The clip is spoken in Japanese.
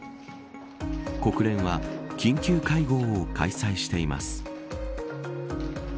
国連は緊急会合を開催しています。